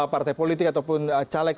partai politik ataupun caleg